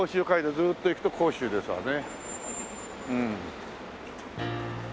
ずっと行くと甲州ですわね。